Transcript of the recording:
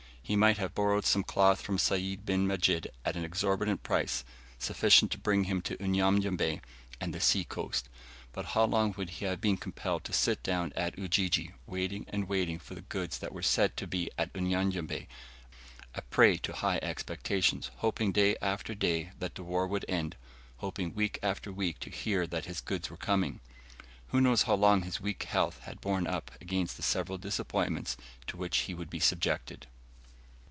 He might have borrowed some cloth from Sayd bin Majid at an exorbitant price, sufficient to bring him to Unyanyembe and the sea coast. But how long would he have been compelled to sit down at Ujiji, waiting and waiting for the goods that were said to be at Unyanyembe, a prey to high expectations, hoping day after day that the war would end hoping week after week to hear that his goods were coming? Who knows how long his weak health had borne up against the several disappointments to which he would be subjected?